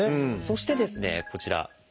そしてですねこちら。